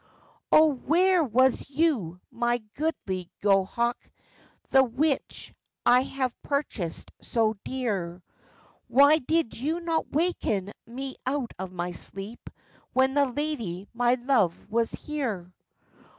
'Oh! where was you, my goodly goshawk, The which I have purchased so dear, Why did you not waken me out of my sleep, When the lady, my love, was here?